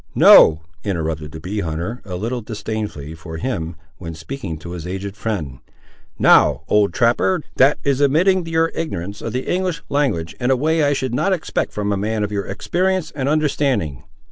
"No!" interrupted the bee hunter, a little disdainfully for him, when speaking to his aged friend; "now, old trapper, that is admitting your ignorance of the English language, in a way I should not expect from a man of your experience and understanding.